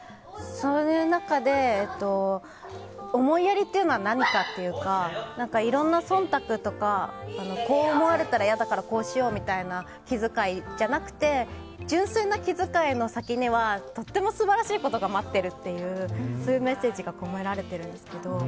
そういう中で思いやりっていうのは何かというかいろんな忖度とかこう思われたら嫌だからこうしようみたいな気遣いじゃなくて純粋な気遣いの先にはとても素晴らしいことが待っているっていうメッセージが込められているんですけど。